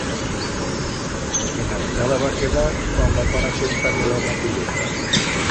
Enarcada va quedar cuan va parar cuenta que eba una cullebra.